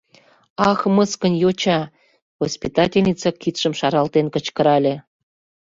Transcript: — Ах, мыскынь йоча, — воспитательница кидшым шаралтен кычкырале.